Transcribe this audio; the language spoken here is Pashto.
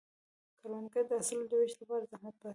کروندګر د حاصل د ویش لپاره زحمت باسي